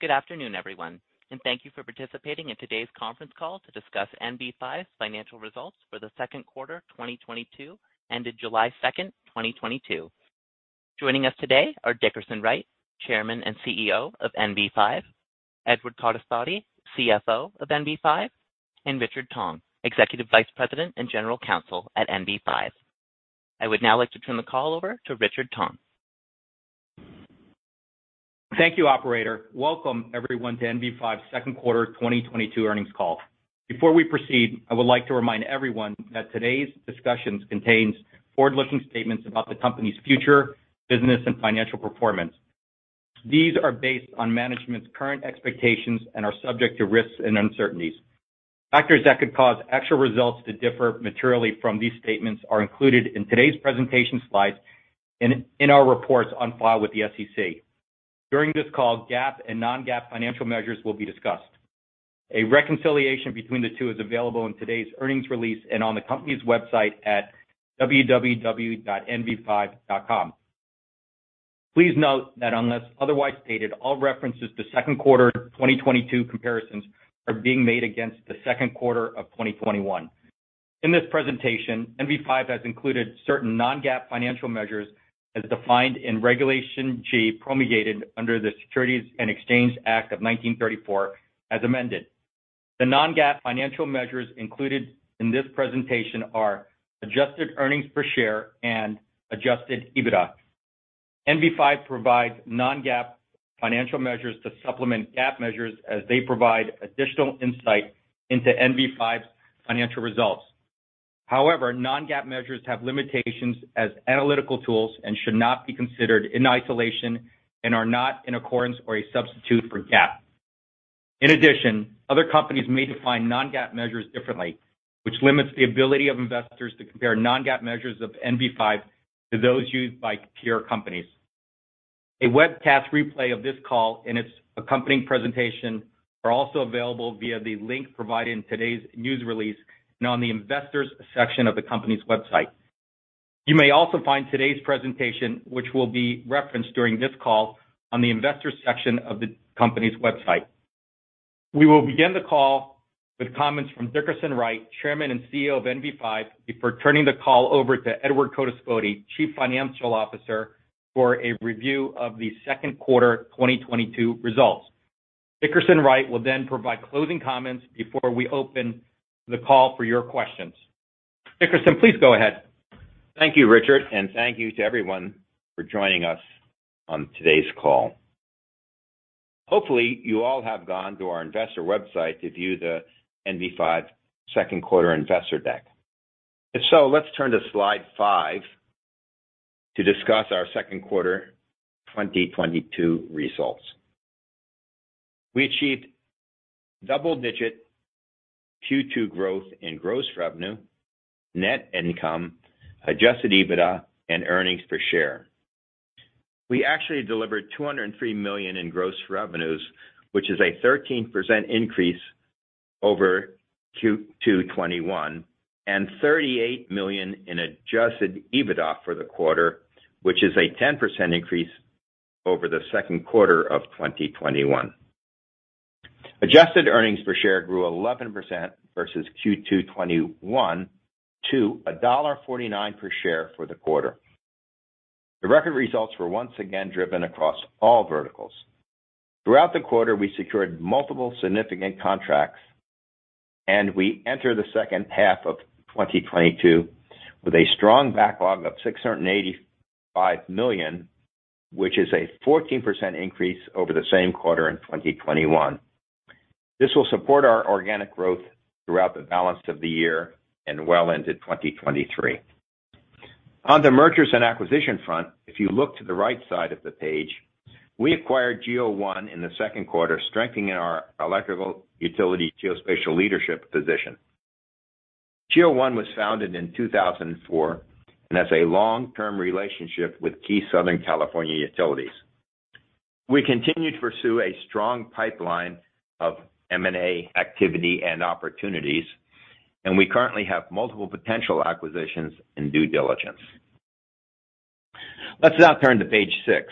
Good afternoon, everyone, and thank you for participating in today's conference call to discuss NV5's financial results for the second quarter 2022, ended July 2, 2022. Joining us today are Dickerson Wright, Chairman and CEO of NV5, Edward Codispoti, CFO of NV5, and Richard Tong, Executive Vice President and General Counsel at NV5. I would now like to turn the call over to Richard Tong. Thank you, operator. Welcome everyone to NV5's second quarter 2022 earnings call. Before we proceed, I would like to remind everyone that today's discussions contains forward-looking statements about the company's future business and financial performance. These are based on management's current expectations and are subject to risks and uncertainties. Factors that could cause actual results to differ materially from these statements are included in today's presentation slides in our reports on file with the SEC. During this call, GAAP and non-GAAP financial measures will be discussed. A reconciliation between the two is available in today's earnings release and on the company's website at www.nv5.com. Please note that unless otherwise stated, all references to second quarter 2022 comparisons are being made against the second quarter of 2021. In this presentation, NV5 has included certain non-GAAP financial measures as defined in Regulation G promulgated under the Securities Exchange Act of 1934 as amended. The non-GAAP financial measures included in this presentation are adjusted earnings per share and adjusted EBITDA. NV5 provides non-GAAP financial measures to supplement GAAP measures as they provide additional insight into NV5's financial results. However, non-GAAP measures have limitations as analytical tools and should not be considered in isolation or as a substitute for GAAP. In addition, other companies may define non-GAAP measures differently, which limits the ability of investors to compare non-GAAP measures of NV5 to those used by peer companies. A webcast replay of this call and its accompanying presentation are also available via the link provided in today's news release and on the investors section of the company's website. You may also find today's presentation, which will be referenced during this call, on the investors section of the company's website. We will begin the call with comments from Dickerson Wright, Chairman and CEO of NV5, before turning the call over to Edward Codispoti, Chief Financial Officer, for a review of the second quarter 2022 results. Dickerson Wright will then provide closing comments before we open the call for your questions. Dickerson, please go ahead. Thank you, Richard, and thank you to everyone for joining us on today's call. Hopefully, you all have gone to our investor website to view the NV5 second quarter investor deck. If so, let's turn to slide five to discuss our second quarter 2022 results. We achieved double-digit Q2 growth in gross revenue, net income, adjusted EBITDA, and earnings per share. We actually delivered $203 million in gross revenues, which is a 13% increase over Q2 2021, and $38 million in adjusted EBITDA for the quarter, which is a 10% increase over the second quarter of 2021. Adjusted earnings per share grew 11% versus Q2 2021 to $1.49 per share for the quarter. The record results were once again driven across all verticals. Throughout the quarter, we secured multiple significant contracts, and we enter the second half of 2022 with a strong backlog of $685 million, which is a 14% increase over the same quarter in 2021. This will support our organic growth throughout the balance of the year and well into 2023. On the mergers and acquisition front, if you look to the right side of the page, we acquired GEO1 in the second quarter, strengthening our electrical utility geospatial leadership position. GEO1 was founded in 2004 and has a long-term relationship with key Southern California utilities. We continue to pursue a strong pipeline of M&A activity and opportunities, and we currently have multiple potential acquisitions in due diligence. Let's now turn to page six,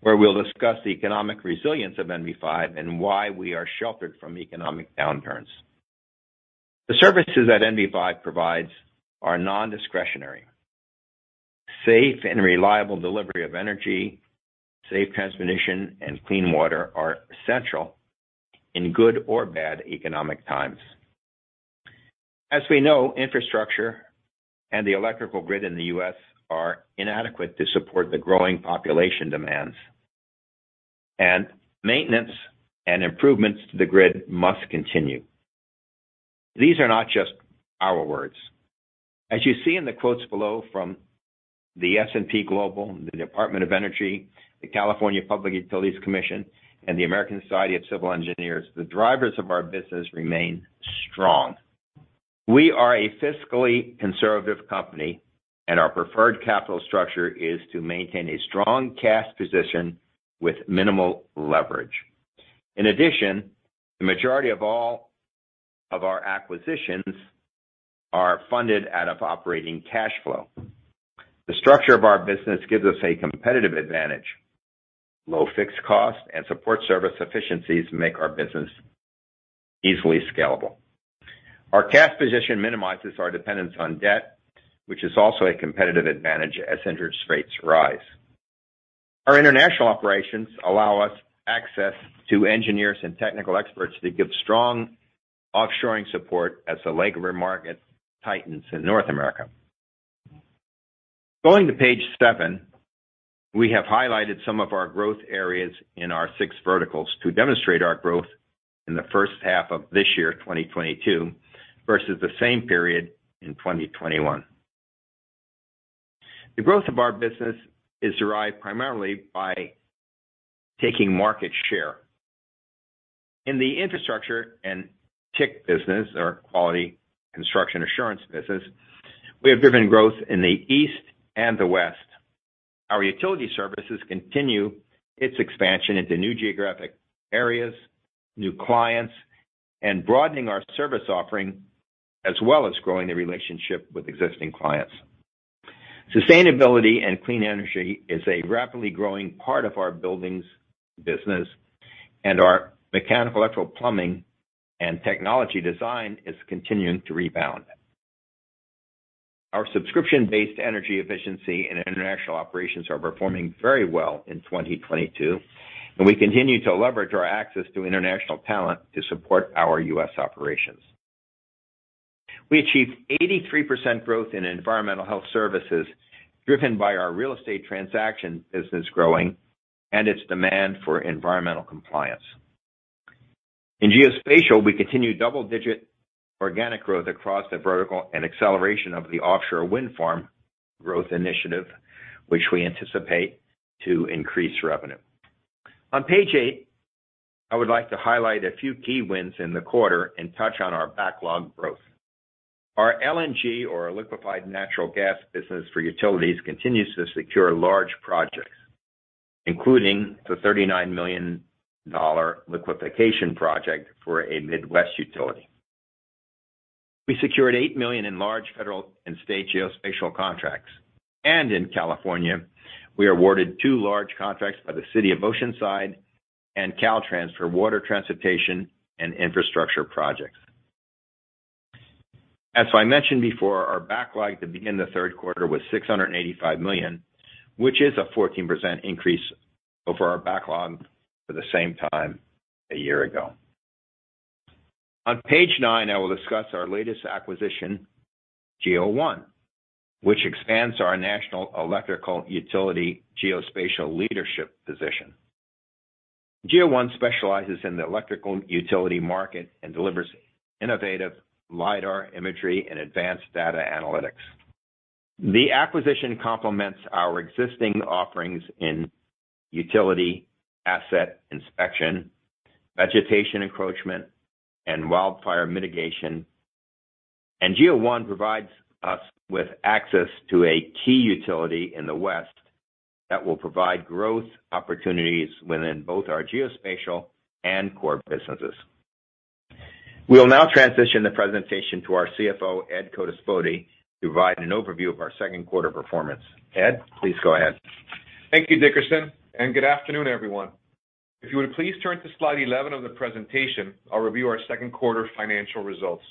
where we'll discuss the economic resilience of NV5 and why we are sheltered from economic downturns. The services that NV5 provides are non-discretionary. Safe and reliable delivery of energy, safe transportation, and clean water are essential in good or bad economic times. As we know, infrastructure and the electrical grid in the U.S. are inadequate to support the growing population demands. Maintenance and improvements to the grid must continue. These are not just our words. As you see in the quotes below from the S&P Global, the Department of Energy, the California Public Utilities Commission, and the American Society of Civil Engineers, the drivers of our business remain strong. We are a fiscally conservative company, and our preferred capital structure is to maintain a strong cash position with minimal leverage. In addition, the majority of all of our acquisitions are funded out of operating cash flow. The structure of our business gives us a competitive advantage. Low fixed costs and support service efficiencies make our business easily scalable. Our cash position minimizes our dependence on debt, which is also a competitive advantage as interest rates rise. Our international operations allow us access to engineers and technical experts that give strong offshoring support as the labor market tightens in North America. Going to page seven, we have highlighted some of our growth areas in our six verticals to demonstrate our growth in the first half of this year, 2022, versus the same period in 2021. The growth of our business is derived primarily by taking market share. In the infrastructure and TIC business or quality construction assurance business, we have driven growth in the East and the West. Our utility services continue its expansion into new geographic areas, new clients, and broadening our service offering, as well as growing the relationship with existing clients. Sustainability and clean energy is a rapidly growing part of our buildings business, and our mechanical, electrical, plumbing, and technology design is continuing to rebound. Our subscription-based energy efficiency and international operations are performing very well in 2022, and we continue to leverage our access to international talent to support our U.S. operations. We achieved 83% growth in environmental health services, driven by our real estate transaction business growing and its demand for environmental compliance. In geospatial, we continue double-digit organic growth across the vertical and acceleration of the offshore wind farm growth initiative, which we anticipate to increase revenue. On page eight, I would like to highlight a few key wins in the quarter and touch on our backlog growth. Our LNG or liquefied natural gas business for utilities continues to secure large projects, including the $39 million liquefaction project for a Midwest utility. We secured $8 million in large federal and state geospatial contracts, and in California, we are awarded two large contracts by the City of Oceanside and Caltrans for water transportation and infrastructure projects. As I mentioned before, our backlog to begin the third quarter was $685 million, which is a 14% increase over our backlog for the same time a year ago. On page nine, I will discuss our latest acquisition, GEO1, which expands our national electrical utility geospatial leadership position. GEO1 specializes in the electrical utility market and delivers innovative lidar imagery and advanced data analytics. The acquisition complements our existing offerings in utility, asset inspection, vegetation encroachment, and wildfire mitigation. GEO1 provides us with access to a key utility in the West that will provide growth opportunities within both our geospatial and core businesses. We will now transition the presentation to our CFO, Edward Codispoti, to provide an overview of our second quarter performance. Ed, please go ahead. Thank you, Dickerson, and good afternoon, everyone. If you would please turn to slide 11 of the presentation, I'll review our second quarter financial results.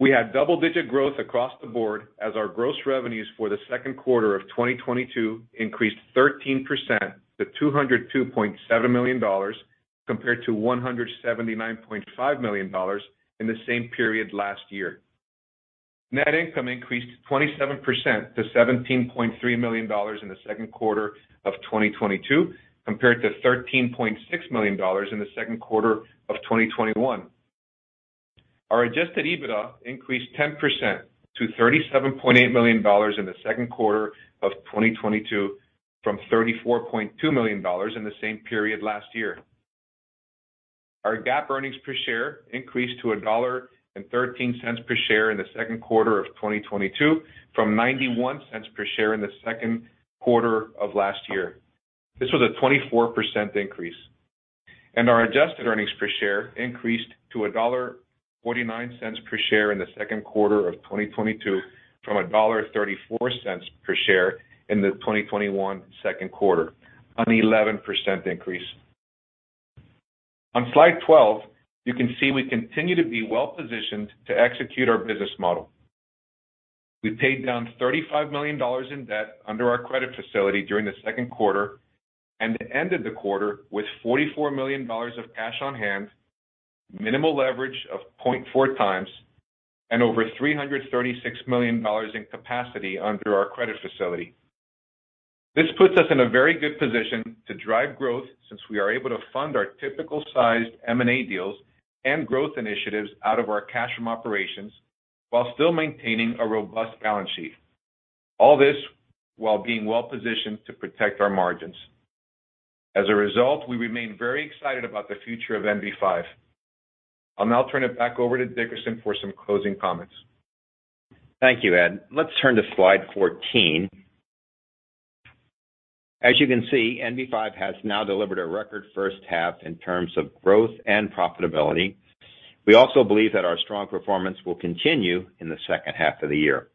We had double-digit growth across the board as our gross revenues for the second quarter of 2022 increased 13% to $202.7 million compared to $179.5 million in the same period last year. Net income increased 27% to $17.3 million in the second quarter of 2022, compared to $13.6 million in the second quarter of 2021. Our adjusted EBITDA increased 10% to $37.8 million in the second quarter of 2022 from $34.2 million in the same period last year. Our GAAP earnings per share increased to $1.13 per share in the second quarter of 2022 from $0.91 per share in the second quarter of last year. This was a 24% increase. Our adjusted earnings per share increased to $1.49 per share in the second quarter of 2022 from $1.34 per share in the 2021 second quarter, an 11% increase. On slide 12, you can see we continue to be well-positioned to execute our business model. We paid down $35 million in debt under our credit facility during the second quarter and ended the quarter with $44 million of cash on hand, minimal leverage of 0.4 times, and over $336 million in capacity under our credit facility. This puts us in a very good position to drive growth since we are able to fund our typical sized M&A deals and growth initiatives out of our cash from operations while still maintaining a robust balance sheet. All this while being well-positioned to protect our margins. As a result, we remain very excited about the future of NV5. I'll now turn it back over to Dickerson for some closing comments. Thank you, Ed. Let's turn to slide 14. As you can see, NV5 has now delivered a record first half in terms of growth and profitability. We also believe that our strong performance will continue in the second half of the year.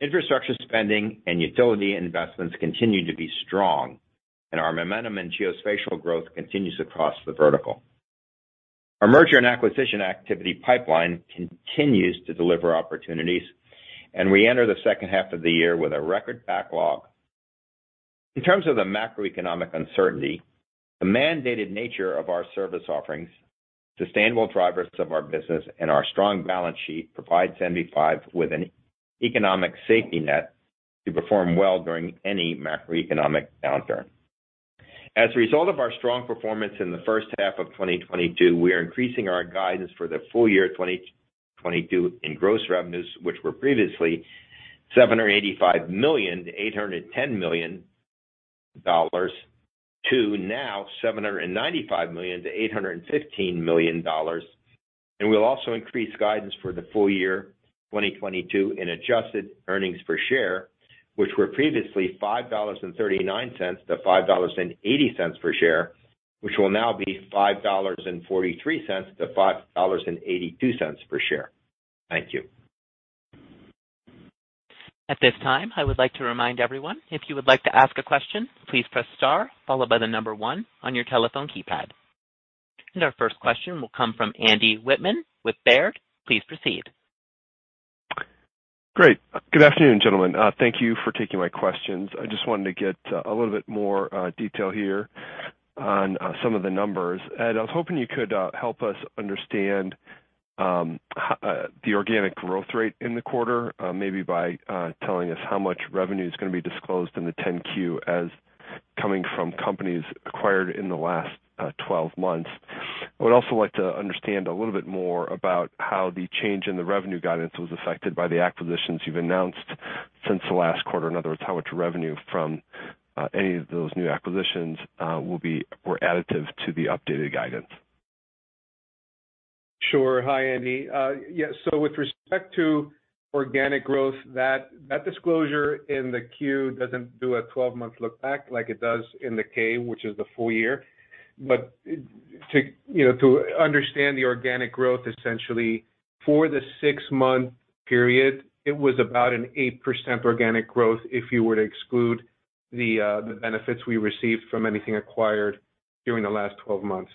Infrastructure spending and utility investments continue to be strong, and our momentum in geospatial growth continues across the vertical. Our merger and acquisition activity pipeline continues to deliver opportunities, and we enter the second half of the year with a record backlog. In terms of the macroeconomic uncertainty, the mandated nature of our service offerings, sustainable drivers of our business, and our strong balance sheet provides NV5 with an economic safety net to perform well during any macroeconomic downturn. As a result of our strong performance in the first half of 2022, we are increasing our guidance for the full year 2022 in gross revenues, which were previously $785 million-$810 million to now $795 million-$815 million. We'll also increase guidance for the full year 2022 in adjusted earnings per share, which were previously $5.39-$5.80 per share, which will now be $5.43-$5.82 per share. Thank you. At this time, I would like to remind everyone, if you would like to ask a question, please press star followed by the number one on your telephone keypad. Our first question will come from Andy Wittmann with Baird. Please proceed. Great. Good afternoon, gentlemen. Thank you for taking my questions. I just wanted to get a little bit more detail here on some of the numbers. Ed, I was hoping you could help us understand how the organic growth rate in the quarter maybe by telling us how much revenue is gonna be disclosed in the 10-Q as coming from companies acquired in the last 12 months. I would also like to understand a little bit more about how the change in the revenue guidance was affected by the acquisitions you've announced since the last quarter. In other words, how much revenue from any of those new acquisitions will be additive to the updated guidance. Sure. Hi, Andy. Yeah, so with respect to organic growth, that disclosure in the Q doesn't do a 12-month look back like it does in the K, which is the full year. To you know understand the organic growth essentially for the 6-month period, it was about an 8% organic growth if you were to exclude the benefits we received from anything acquired during the last 12 months.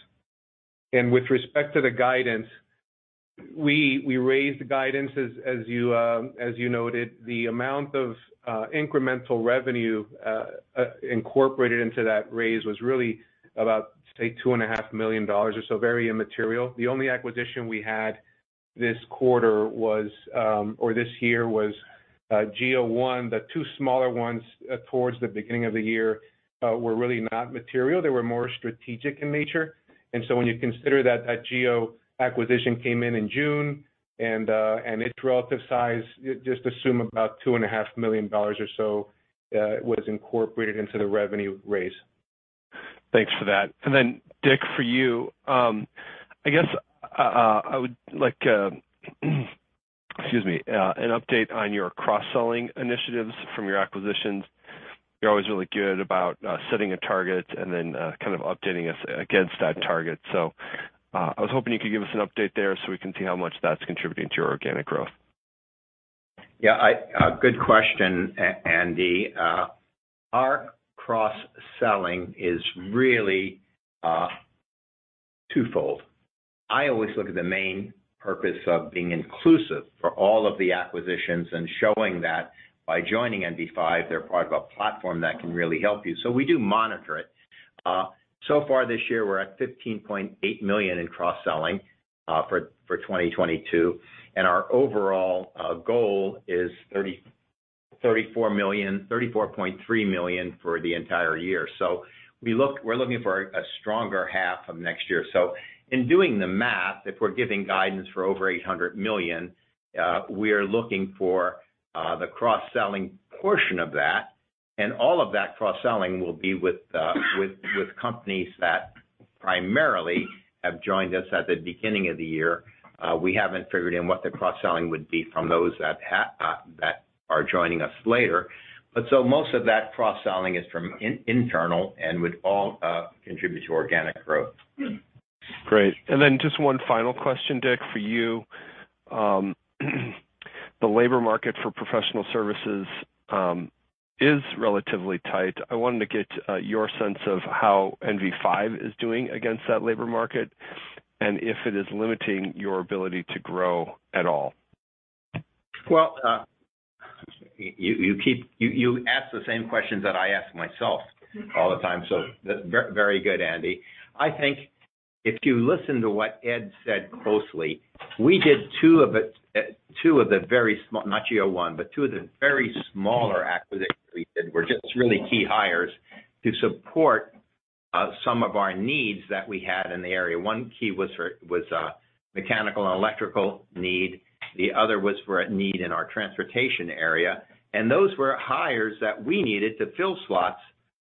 With respect to the guidance, we raised guidance as you noted. The amount of incremental revenue incorporated into that raise was really about, say, $2.5 million or so, very immaterial. The only acquisition we had this year was GEO1. The two smaller ones towards the beginning of the year were really not material. They were more strategic in nature. When you consider that Geo acquisition came in June and its relative size, just assume about $2.5 million or so was incorporated into the revenue raise. Thanks for that. Dick, for you, I guess, I would like, excuse me, an update on your cross-selling initiatives from your acquisitions. You're always really good about, setting a target and then, kind of updating us against that target. I was hoping you could give us an update there so we can see how much that's contributing to your organic growth. Yeah, good question, Andy. Our cross-selling is really twofold. I always look at the main purpose of being inclusive for all of the acquisitions and showing that by joining NV5, they're part of a platform that can really help you. We do monitor it. So far this year, we're at $15.8 million in cross-selling for 2022. Our overall goal is $34.3 million for the entire year. We're looking for a stronger half of next year. In doing the math, if we're giving guidance for over $800 million, we are looking for the cross-selling portion of that. All of that cross-selling will be with companies that primarily have joined us at the beginning of the year. We haven't figured in what the cross-selling would be from those that are joining us later. Most of that cross-selling is from internal and would all contribute to organic growth. Great. Just one final question, Dick, for you. The labor market for professional services is relatively tight. I wanted to get your sense of how NV5 is doing against that labor market and if it is limiting your ability to grow at all. Well, you ask the same questions that I ask myself all the time, so very good, Andy. I think if you listen to what Ed said closely, we did two of the very small not GEO1, but two of the very smaller acquisitions we did were just really key hires to support some of our needs that we had in the area. One key was for a mechanical and electrical need. The other was for a need in our transportation area. Those were hires that we needed to fill slots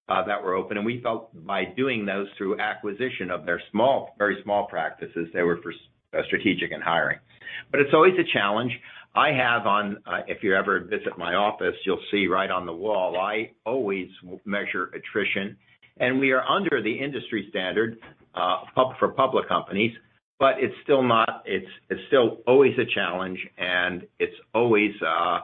that were open. We felt by doing those through acquisition of their small, very small practices, they were for strategic in hiring. It's always a challenge. If you ever visit my office, you'll see right on the wall, I always measure attrition. We are under the industry standard for public companies, but it's still always a challenge, and it's always a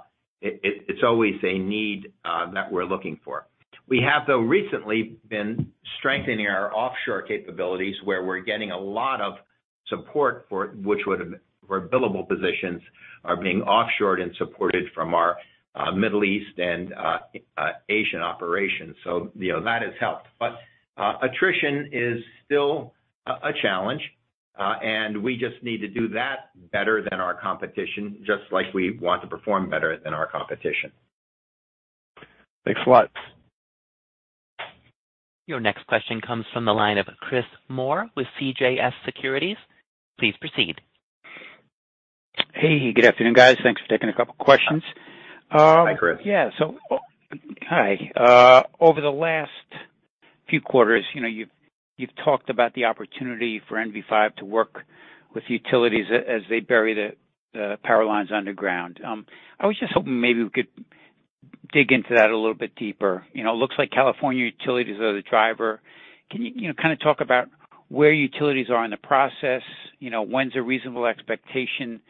need that we're looking for. We have, though, recently been strengthening our offshore capabilities, where we're getting a lot of support for which were billable positions are being offshored and supported from our Middle East and Asian operations. You know, that has helped. Attrition is still a challenge. We just need to do that better than our competition, just like we want to perform better than our competition. Thanks a lot. Your next question comes from the line of Chris Moore with CJS Securities. Please proceed. Hey, good afternoon, guys. Thanks for taking a couple questions. Hi. Hi, Chris. Yeah. Oh, hi. Over the last few quarters, you know, you've talked about the opportunity for NV5 to work with utilities as they bury the power lines underground. I was just hoping maybe we could dig into that a little bit deeper. You know, it looks like California utilities are the driver. Can you know, kind of talk about where utilities are in the process? You know, when's a reasonable expectation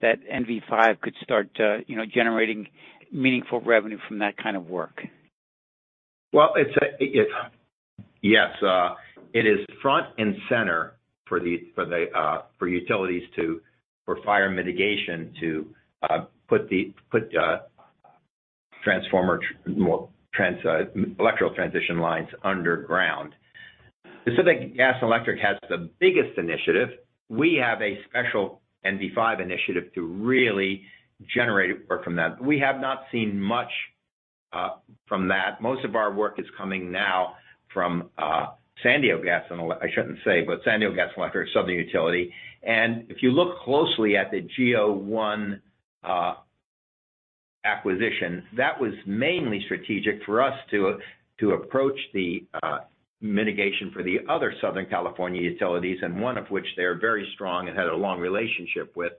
that NV5 could start to, you know, generating meaningful revenue from that kind of work? It is front and center for the utilities for fire mitigation to put the electrical transmission lines underground. Pacific Gas & Electric has the biggest initiative. We have a special NV5 initiative to really generate work from them. We have not seen much from that. Most of our work is coming now from San Diego Gas & Electric. I shouldn't say, but San Diego Gas & Electric or Southern California Edison. If you look closely at the GEO1 acquisition, that was mainly strategic for us to approach the mitigation for the other Southern California utilities, and one of which they are very strong and had a long relationship with.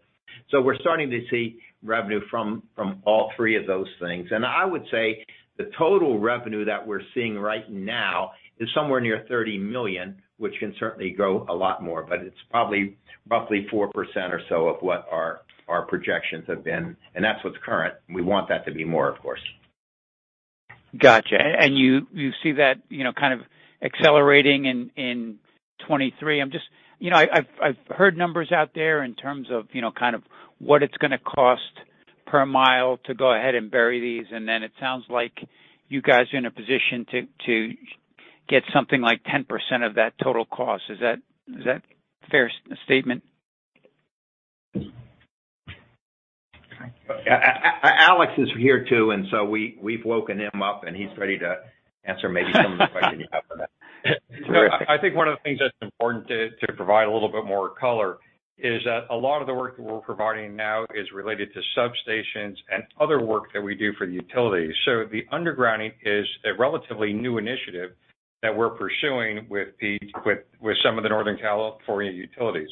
We're starting to see revenue from all three of those things. I would say the total revenue that we're seeing right now is somewhere near $30 million, which can certainly grow a lot more, but it's probably roughly 4% or so of what our projections have been, and that's what's current. We want that to be more, of course. Gotcha. You see that, you know, kind of accelerating in 2023. I'm just you know, I've heard numbers out there in terms of, you know, kind of what it's gonna cost per mile to go ahead and bury these. Then it sounds like you guys are in a position to get something like 10% of that total cost. Is that a fair statement? Alex is here too, and so we've woken him up, and he's ready to answer maybe some of the questions after that. Go ahead. I think one of the things that's important to provide a little bit more color is that a lot of the work that we're providing now is related to substations and other work that we do for the utilities. The undergrounding is a relatively new initiative that we're pursuing with some of the Northern California utilities.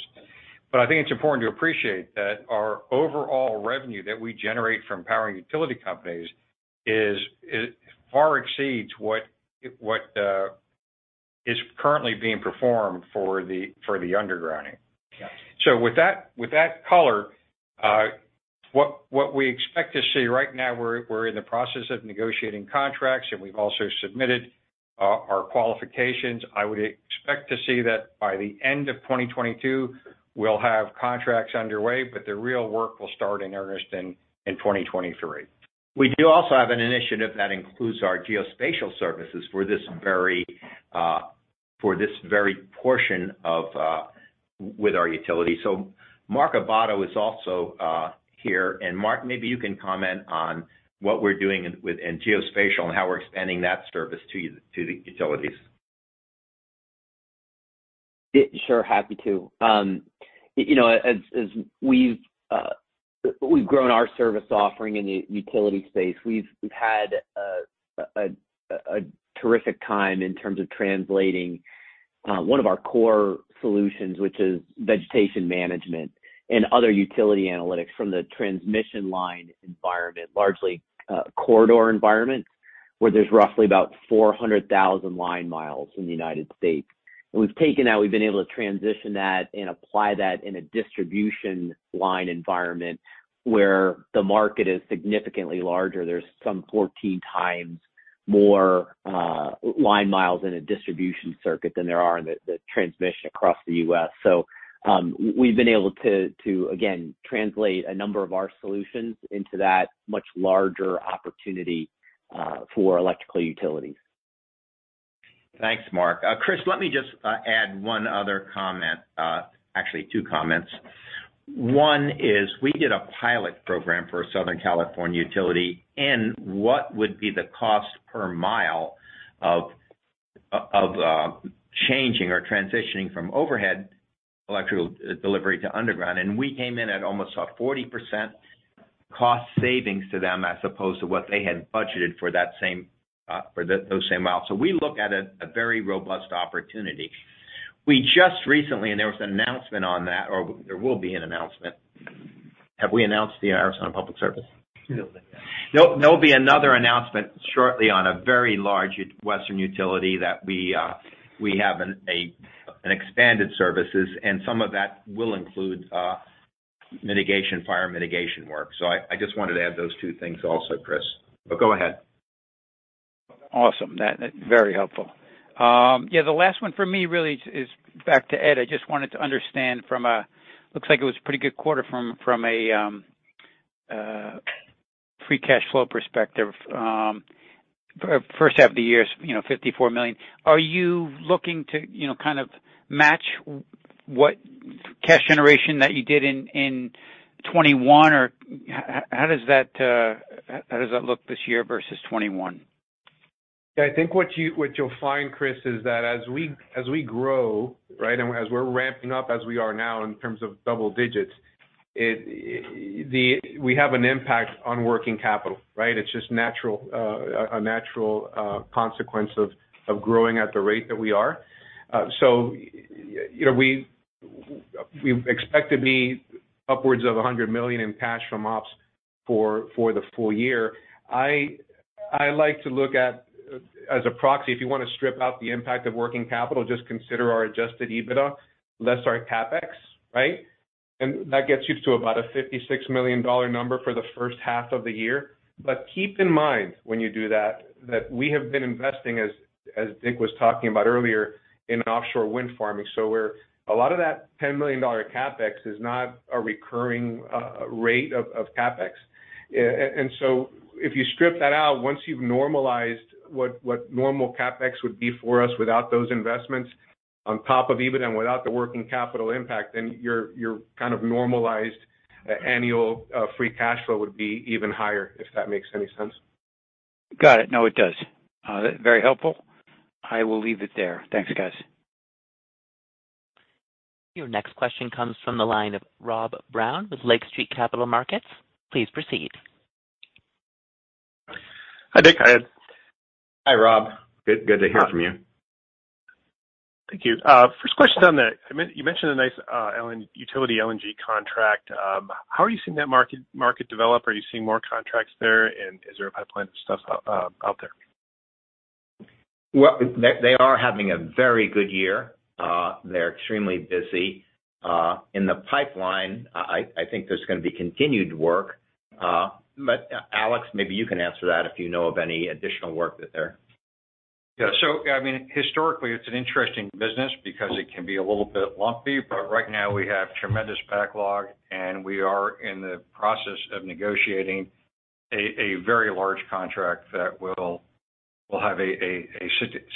I think it's important to appreciate that our overall revenue that we generate from power and utility companies is far exceeds what is currently being performed for the undergrounding. Yeah. With that color, what we expect to see right now, we're in the process of negotiating contracts, and we've also submitted our qualifications. I would expect to see that by the end of 2022, we'll have contracts underway, but the real work will start in earnest in 2023. We do also have an initiative that includes our geospatial services for this very portion with our utility. Mark Abatto is also here. Mark, maybe you can comment on what we're doing in geospatial and how we're expanding that service to the utilities. Sure. Happy to. You know, as we've grown our service offering in the utility space, we've had a terrific time in terms of translating one of our core solutions, which is vegetation management and other utility analytics from the transmission line environment, largely corridor environment, where there's roughly about 400,000 line miles in the United States. We've taken that, we've been able to transition that and apply that in a distribution line environment where the market is significantly larger. There's some 14 times more line miles in a distribution circuit than there are in the transmission across the US. We've been able to again translate a number of our solutions into that much larger opportunity for electrical utilities. Thanks, Mark. Chris, let me just add one other comment. Actually two comments. One is, we did a pilot program for a Southern California utility in what would be the cost per mile of changing or transitioning from overhead electrical delivery to underground, and we came in at almost a 40% cost savings to them as opposed to what they had budgeted for that same for those same miles. So we look at it a very robust opportunity. We just recently. There was an announcement on that, or there will be an announcement. Have we announced the Arizona Public Service? No, we haven't. There'll be another announcement shortly on a very large western utility that we have an expanded services, and some of that will include mitigation, fire mitigation work. I just wanted to add those two things also, Chris. Go ahead. Awesome. That's very helpful. Yeah, the last one for me really is back to Ed. I just wanted to understand. Looks like it was a pretty good quarter from a free cash flow perspective. First half of the year is, you know, $54 million. Are you looking to, you know, kind of match what cash generation that you did in 2021? Or how does that look this year versus 2021? I think what you'll find, Chris, is that as we grow, right, and as we're ramping up as we are now in terms of double digits, we have an impact on working capital, right? It's just natural, a natural consequence of growing at the rate that we are. You know, we expect to be upwards of $100 million in cash from ops for the full year. I like to look at, as a proxy, if you wanna strip out the impact of working capital, just consider our adjusted EBITDA, less our CapEx, right? That gets you to about a $56 million number for the first half of the year. Keep in mind when you do that we have been investing, as Dick was talking about earlier, in offshore wind farming. A lot of that $10 million CapEx is not a recurring rate of CapEx. And so if you strip that out, once you've normalized what normal CapEx would be for us without those investments on top of EBITDA and without the working capital impact, then your kind of normalized annual free cash flow would be even higher, if that makes any sense. Got it. No, it does. Very helpful. I will leave it there. Thanks, guys. Your next question comes from the line of Rob Brown with Lake Street Capital Markets. Please proceed. Hi, Dick. Hi. Hi, Rob. Good to hear from you. Thank you. First question. You mentioned a nice LNG utility contract. How are you seeing that market develop? Are you seeing more contracts there? Is there a pipeline of stuff out there? Well, they are having a very good year. They're extremely busy. In the pipeline, I think there's gonna be continued work. Alex, maybe you can answer that if you know of any additional work that there- Yeah. I mean, historically, it's an interesting business because it can be a little bit lumpy. Right now, we have tremendous backlog, and we are in the process of negotiating a very large contract that will have a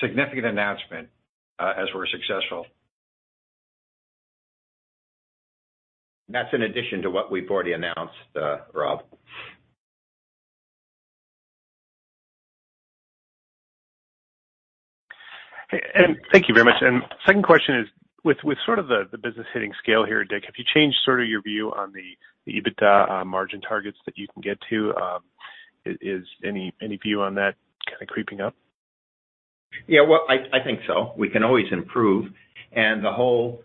significant announcement as we're successful. That's in addition to what we've already announced, Rob. Okay. Thank you very much. Second question is, with sort of the business hitting scale here, Dick, have you changed sort of your view on the EBITDA margin targets that you can get to? Is any view on that kind of creeping up? Yeah. Well, I think so. We can always improve. The whole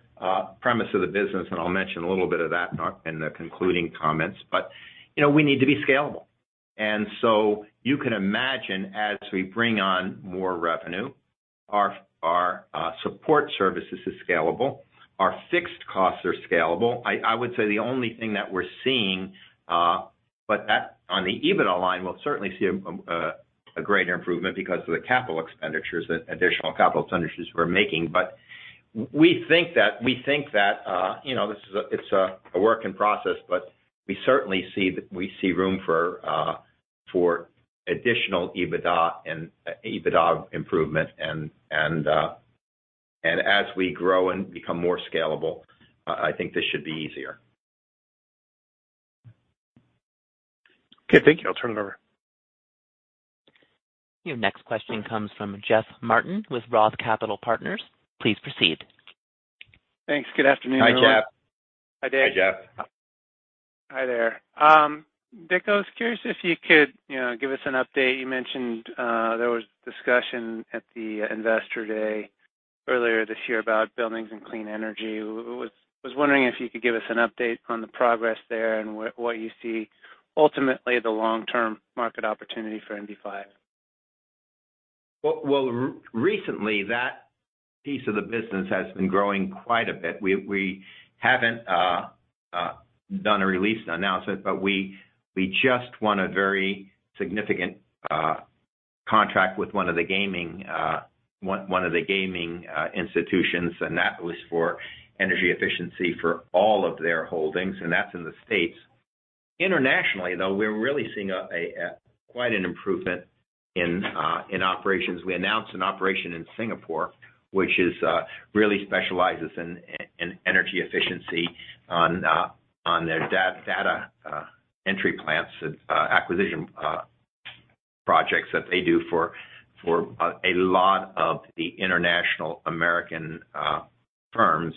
premise of the business, and I'll mention a little bit of that in the concluding comments, but you know, we need to be scalable. You can imagine, as we bring on more revenue, our support services is scalable, our fixed costs are scalable. I would say the only thing that we're seeing is that on the EBITDA line, we'll certainly see a greater improvement because of the capital expenditures, the additional capital expenditures we're making. We think that you know, this is a work in process, but we certainly see room for additional EBITDA and EBITDA improvement. As we grow and become more scalable, I think this should be easier. Okay, thank you. I'll turn it over. Your next question comes from Jeff Martin with Roth Capital Partners. Please proceed. Thanks. Good afternoon, everyone. Hi, Jeff. Hi, Jeff. Hi there. Dick, I was curious if you could, you know, give us an update. You mentioned there was discussion at the investor day earlier this year about buildings and clean energy. Was wondering if you could give us an update on the progress there and what you see ultimately the long-term market opportunity for NV5. Well, recently, that piece of the business has been growing quite a bit. We haven't done a release announcement, but we just won a very significant contract with one of the gaming institutions, and that was for energy efficiency for all of their holdings, and that's in the States. Internationally, though, we're really seeing quite an improvement in operations. We announced an operation in Singapore, which really specializes in energy efficiency on their data centers, acquisition projects that they do for a lot of the international American firms,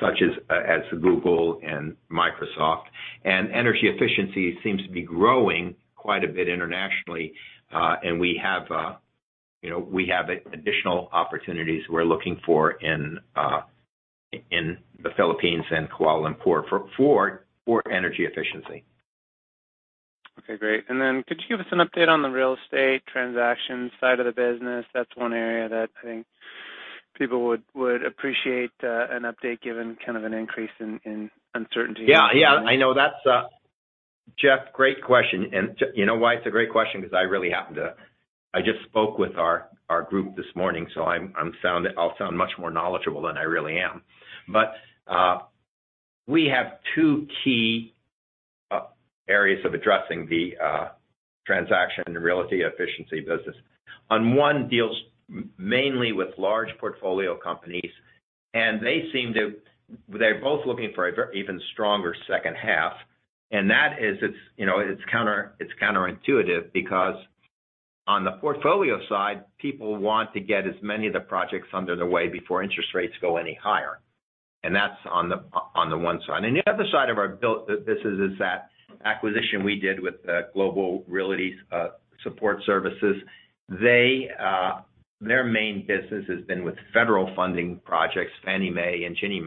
such as Google and Microsoft. Energy efficiency seems to be growing quite a bit internationally. We have, you know, we have additional opportunities we're looking for in the Philippines and Kuala Lumpur for energy efficiency. Okay, great. Could you give us an update on the real estate transaction side of the business? That's one area that I think people would appreciate an update given kind of an increase in uncertainty. Yeah, yeah. I know that's, Jeff, great question. You know why it's a great question? Because I just spoke with our group this morning, so I'll sound much more knowledgeable than I really am. We have two key areas of addressing the transaction and realty efficiency business. One deals mainly with large portfolio companies, and they seem to. They're both looking for an even stronger second half. That is, it's, you know, it's counterintuitive because on the portfolio side, people want to get as many of the projects underway before interest rates go any higher. That's on the one side. The other side of our business is that acquisition we did with the Global Realty Services Group. Their main business has been with federal funding projects, Fannie Mae and Ginnie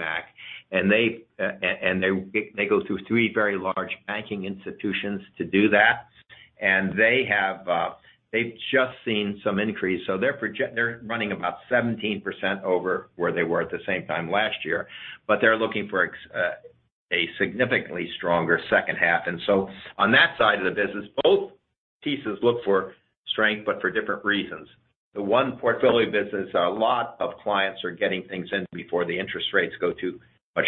Mae. They go through three very large banking institutions to do that. They've just seen some increase. They're running about 17% over where they were at the same time last year. They're looking for a significantly stronger second half. On that side of the business, both pieces look for strength, but for different reasons. The one portfolio business, a lot of clients are getting things in before the interest rates go too much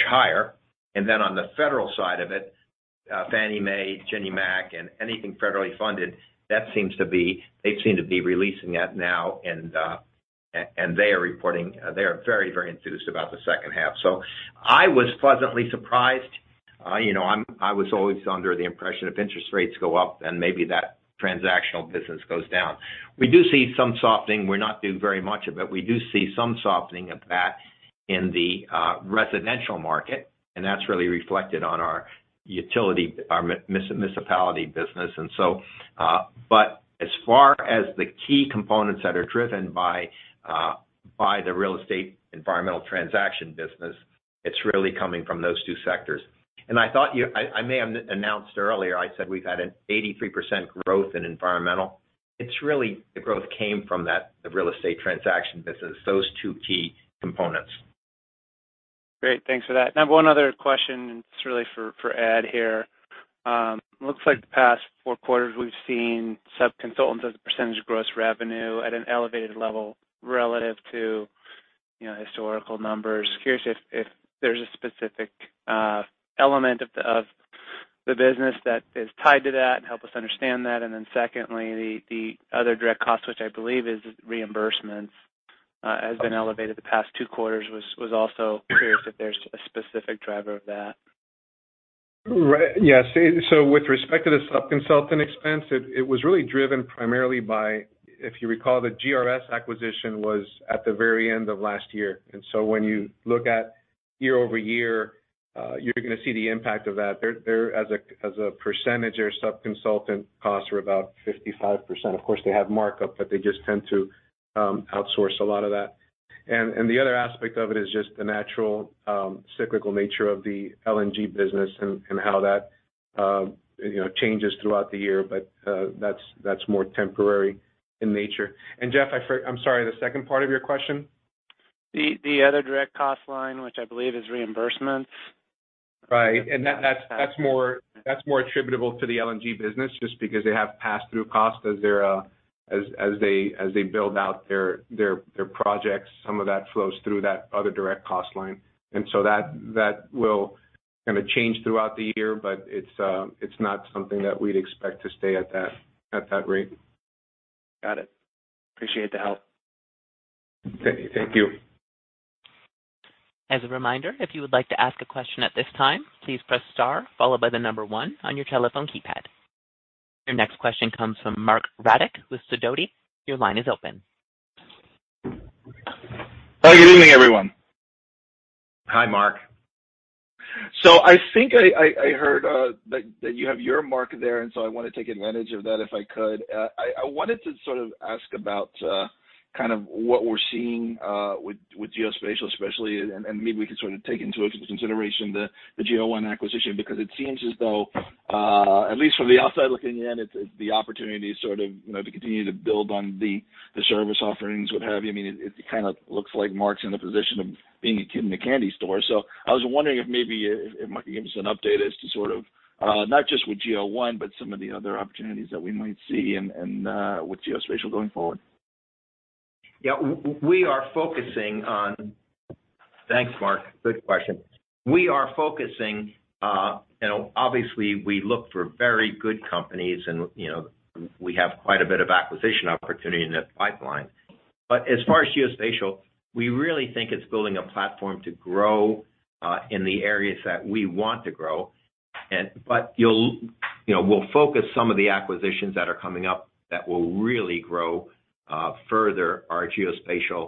higher. On the federal side of it, Fannie Mae, Ginnie Mae, and anything federally funded, they seem to be releasing it now. They are reporting they are very, very enthused about the second half. I was pleasantly surprised. You know, I was always under the impression if interest rates go up, then maybe that transactional business goes down. We do see some softening. We're not doing very much of it. We do see some softening of that in the residential market, and that's really reflected on our utility, our municipality business. But as far as the key components that are driven by the real estate environmental transaction business, it's really coming from those two sectors. I may have announced earlier, I said we've had an 83% growth in environmental. It's really the growth came from that, the real estate transaction business, those two key components. Great. Thanks for that. I have one other question. It's really for Ed here. Looks like the past four quarters we've seen sub-consultants as a percentage of gross revenue at an elevated level relative to, you know, historical numbers. Curious if there's a specific element of the business that is tied to that and help us understand that. Then secondly, the other direct cost, which I believe is reimbursements, has been elevated the past two quarters. I was also curious if there's a specific driver of that. Yes. With respect to the sub-consultant expense, it was really driven primarily by. If you recall, the GRS acquisition was at the very end of last year. When you look at year-over-year, you're gonna see the impact of that. As a percentage, our sub-consultant costs are about 55%. Of course, they have markup, but they just tend to outsource a lot of that. The other aspect of it is just the natural cyclical nature of the LNG business and how that changes throughout the year. That's more temporary in nature. Jeff, I'm sorry, the second part of your question? The other direct cost line, which I believe is reimbursements. Right. That's more attributable to the LNG business just because they have pass-through costs as they build out their projects. Some of that flows through that other direct cost line. That will kinda change throughout the year, but it's not something that we'd expect to stay at that rate. Got it. Appreciate the help. Thank you. Thank you. As a reminder, if you would like to ask a question at this time, please press star followed by the number one on your telephone keypad. Your next question comes from Marc Riddick with Sidoti. Your line is open. Good evening, everyone. Hi, Mark. I think I heard that you have your Mark Abatto there, and I want to take advantage of that if I could. I wanted to sort of ask about kind of what we're seeing with Geospatial especially, and maybe we can sort of take into consideration the GEO1 acquisition because it seems as though at least from the outside looking in, it's the opportunity sort of you know to continue to build on the service offerings, what have you. I mean, it kinda looks like Mark Abatto's in the position of being a kid in a candy store. I was wondering if maybe, if Mark can give us an update as to sort of, not just with GEO1, but some of the other opportunities that we might see and with Geospatial going forward. Yeah. Thanks, Mark. Good question. We are focusing, you know, obviously we look for very good companies and, you know, we have quite a bit of acquisition opportunity in the pipeline. As far as geospatial, we really think it's building a platform to grow in the areas that we want to grow. You know, we'll focus some of the acquisitions that are coming up that will really grow further our geospatial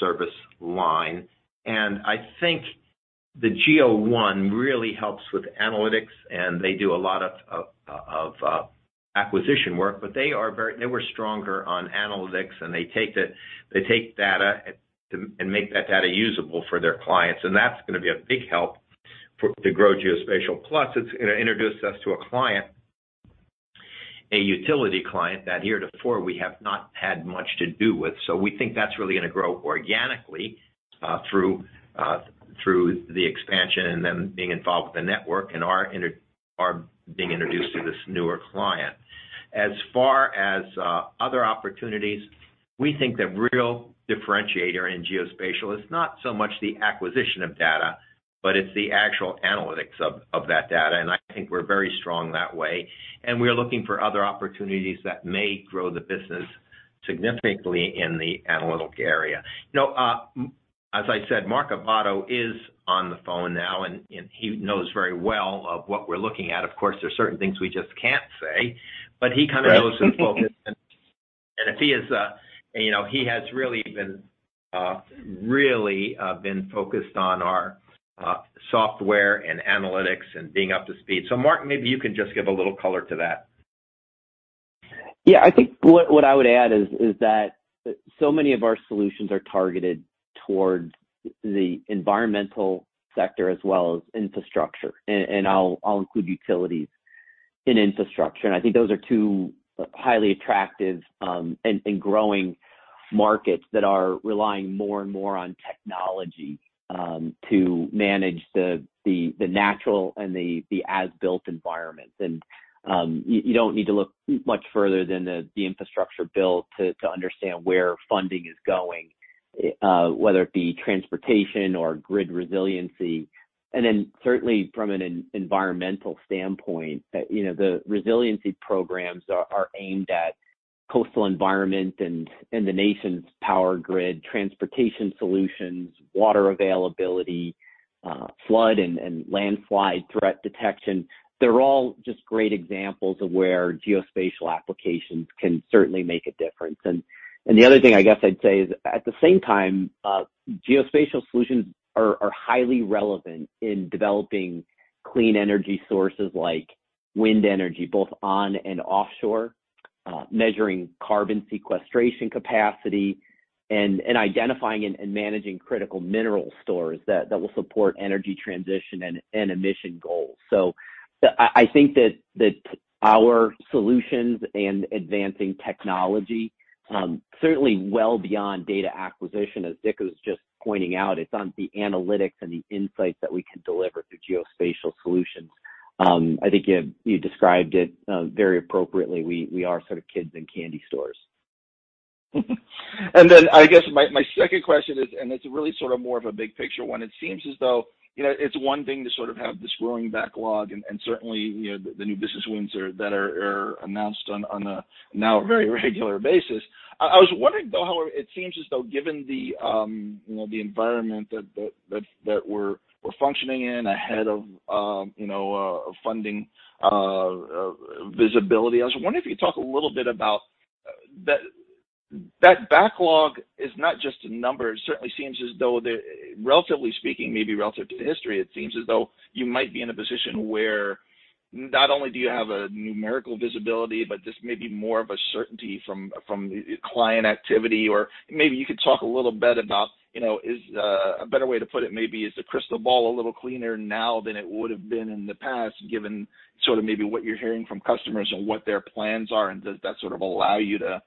service line. I think the GEO1 really helps with analytics, and they do a lot of acquisition work, but they were stronger on analytics, and they take data and make that data usable for their clients. That's gonna be a big help to grow geospatial. Plus, it's gonna introduce us to a client, a utility client that heretofore we have not had much to do with. We think that's really gonna grow organically through the expansion and them being involved with the network and our being introduced to this newer client. As far as other opportunities, we think the real differentiator in geospatial is not so much the acquisition of data, but it's the actual analytics of that data. I think we're very strong that way. We're looking for other opportunities that may grow the business significantly in the analytic area. You know, as I said, Mark Abatto is on the phone now, and he knows very well of what we're looking at. Of course, there's certain things we just can't say. Right. knows his focus and if he is, you know, he has really been focused on our software and analytics and being up to speed. Mark, maybe you can just give a little color to that. Yeah. I think what I would add is that so many of our solutions are targeted towards the environmental sector as well as infrastructure. I'll include utilities in infrastructure. I think those are two highly attractive and growing markets that are relying more and more on technology to manage the natural and the as-built environments. You don't need to look much further than the infrastructure build to understand where funding is going, whether it be transportation or grid resiliency. Certainly from an environmental standpoint, you know, the resiliency programs are aimed at coastal environment and the nation's power grid, transportation solutions, water availability, flood and landslide threat detection. They're all just great examples of where geospatial applications can certainly make a difference. The other thing I guess I'd say is at the same time, geospatial solutions are highly relevant in developing clean energy sources like wind energy, both on and offshore, measuring carbon sequestration capacity and identifying and managing critical mineral stores that will support energy transition and emission goals. I think that our solutions and advancing technology certainly well beyond data acquisition, as Dick was just pointing out, it's on the analytics and the insights that we can deliver through geospatial solutions. I think you described it very appropriately. We are sort of kids in candy stores. I guess my second question is, and it's really sort of more of a big picture one. It seems as though, you know, it's one thing to sort of have this growing backlog and certainly, you know, the new business wins are announced on a now very regular basis. I was wondering, though, how it seems as though given the, you know, the environment that we're functioning in ahead of, you know, funding visibility. I was wondering if you talk a little bit about that backlog is not just a number. It certainly seems as though relatively speaking, maybe relative to history, it seems as though you might be in a position where not only do you have a numerical visibility, but this may be more of a certainty from client activity. Maybe you could talk a little bit about, you know, a better way to put it maybe, is the crystal ball a little cleaner now than it would have been in the past, given sort of maybe what you're hearing from customers and what their plans are, and does that sort of allow you to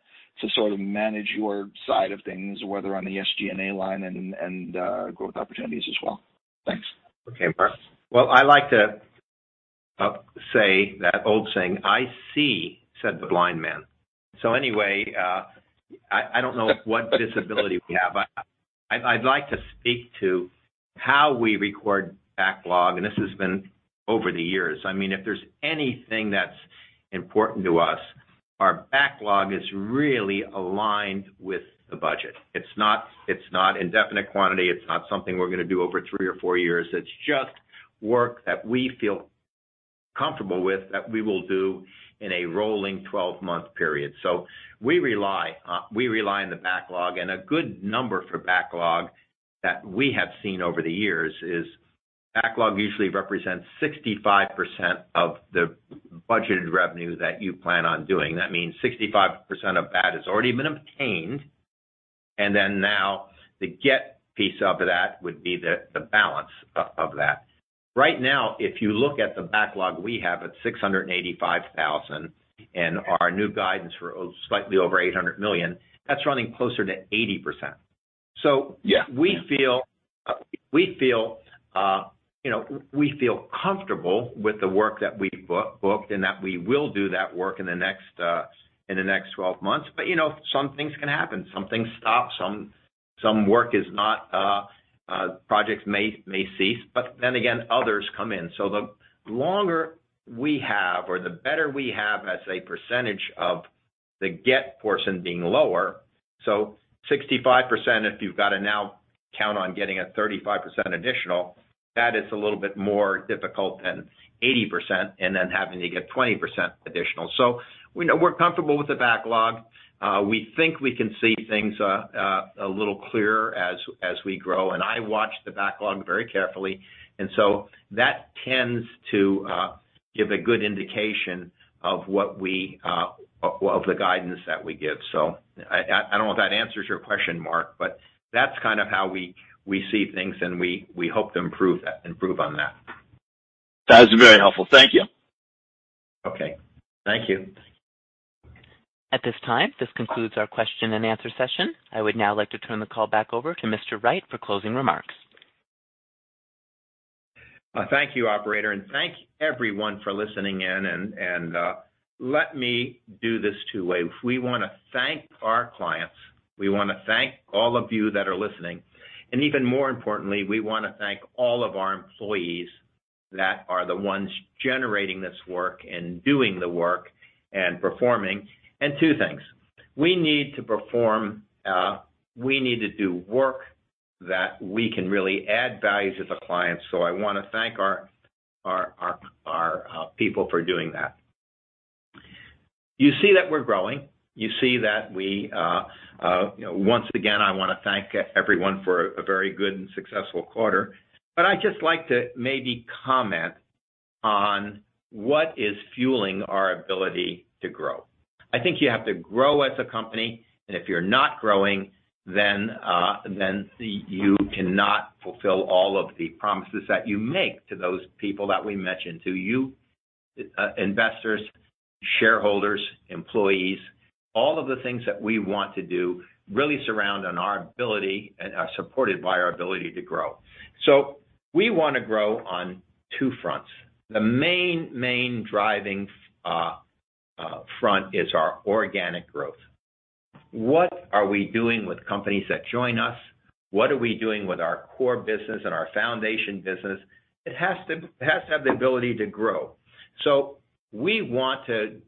sort of manage your side of things, whether on the SG&A line and growth opportunities as well? Thanks. Okay, Mark. Well, I like to say that old saying, "I see," said the blind man. Anyway, I don't know what disability we have. I'd like to speak to how we record backlog, and this has been over the years. I mean, if there's anything that's important to us, our backlog is really aligned with the budget. It's not indefinite quantity. It's not something we're gonna do over three or four years. It's just work that we feel comfortable with that we will do in a rolling twelve-month period. We rely on the backlog. A good number for backlog that we have seen over the years is backlog usually represents 65% of the budgeted revenue that you plan on doing. That means 65% of that has already been obtained, and then now the get piece of that would be the balance of that. Right now, if you look at the backlog we have at $685,000 and our new guidance for slightly over $800 million, that's running closer to 80%. Yeah. We feel comfortable with the work that we've booked and that we will do that work in the next 12 months. You know, some things can happen. Some things stop, some work is not, projects may cease, but then again, others come in. The longer we have or the better we have as a percentage of the get portion being lower, so 65% if you've got to now count on getting a 35% additional, that is a little bit more difficult than 80% and then having to get 20% additional. We know we're comfortable with the backlog. We think we can see things a little clearer as we grow. I watch the backlog very carefully. That tends to give a good indication of what we offer of the guidance that we give. I don't know if that answers your question, Marc, but that's kind of how we see things, and we hope to improve on that. That's very helpful. Thank you. Okay. Thank you. At this time, this concludes our question-and-answer session. I would now like to turn the call back over to Mr. Wright for closing remarks. Thank you, operator. Thank everyone for listening in. Let me do this two ways. We wanna thank our clients. We wanna thank all of you that are listening. Even more importantly, we wanna thank all of our employees that are the ones generating this work and doing the work and performing. Two things, we need to perform. We need to do work that we can really add value to the clients. I wanna thank our people for doing that. You see that we're growing. You see that we, you know once again, I wanna thank everyone for a very good and successful quarter. I'd just like to maybe comment on what is fueling our ability to grow. I think you have to grow as a company. If you're not growing, then you cannot fulfill all of the promises that you make to those people that we mentioned to you, investors, shareholders, employees. All of the things that we want to do really surround on our ability and are supported by our ability to grow. We wanna grow on two fronts. The main driving front is our organic growth. What are we doing with companies that join us? What are we doing with our core business and our foundation business? It has to have the ability to grow. We want to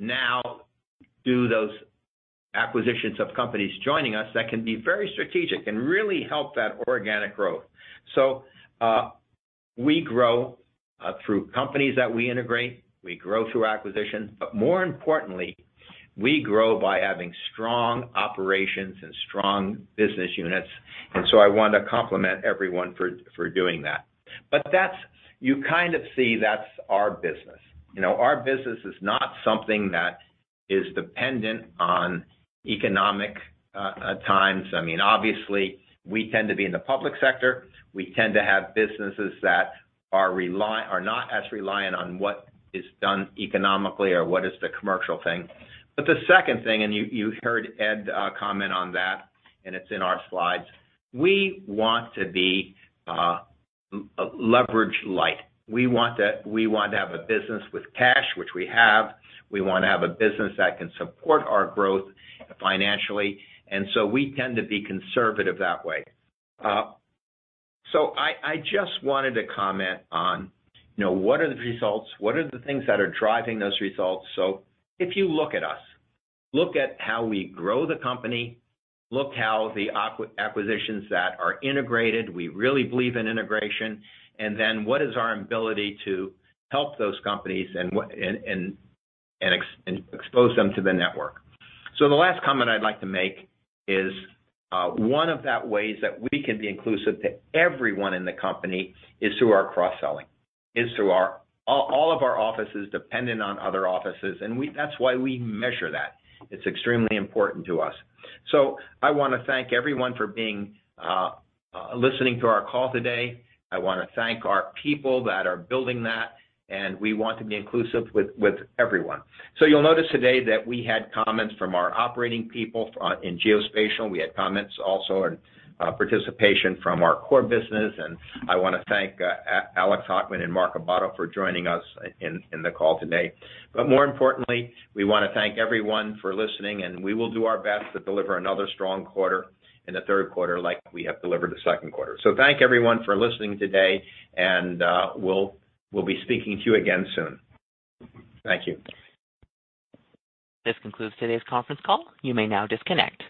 now do those acquisitions of companies joining us that can be very strategic and really help that organic growth. We grow through companies that we integrate, we grow through acquisition, but more importantly, we grow by having strong operations and strong business units. I want to compliment everyone for doing that. That's our business. You know, our business is not something that is dependent on economic times. I mean, obviously, we tend to be in the public sector. We tend to have businesses that are not as reliant on what is done economically or what is the commercial thing. The second thing, you heard Ed comment on that, and it's in our slides, we want to be leverage light. We want to have a business with cash, which we have. We wanna have a business that can support our growth financially, and we tend to be conservative that way. I just wanted to comment on, you know, what are the results, what are the things that are driving those results. If you look at us, look at how we grow the company, look how the acquisitions that are integrated, we really believe in integration, and then what is our ability to help those companies and expose them to the network. The last comment I'd like to make is, one of those ways that we can be inclusive to everyone in the company is through our cross-selling, is through our all of our offices depend on other offices, and that's why we measure that. It's extremely important to us. I wanna thank everyone for listening to our call today. I wanna thank our people that are building that, and we want to be inclusive with everyone. You'll notice today that we had comments from our operating people in Geospatial. We had comments also and participation from our core business. I wanna thank Alexander Hockman and Mark Abatto for joining us in the call today. But more importantly, we wanna thank everyone for listening, and we will do our best to deliver another strong quarter in the third quarter like we have delivered the second quarter. Thank everyone for listening today, and we'll be speaking to you again soon. Thank you. This concludes today's conference call. You may now disconnect.